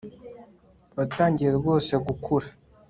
watangiye rwose gukura